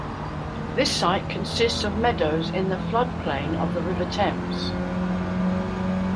This site consists of meadows in the floodplain of the River Thames.